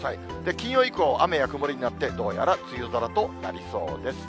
金曜以降、雨や曇りになって、どうやら梅雨空となりそうです。